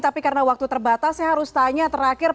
tapi karena waktu terbatas saya harus tanya terakhir